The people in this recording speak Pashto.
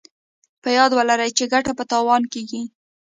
په ياد ولرئ چې ګټه په تاوان کېږي.